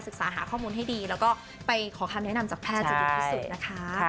หาข้อมูลให้ดีแล้วก็ไปขอคำแนะนำจากแพทย์จะดีที่สุดนะคะ